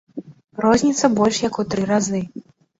Розніца больш як у тры разы.